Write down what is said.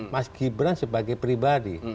mas gibran sebagai pribadi